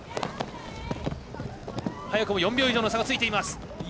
早くも４秒以上の差がつきます。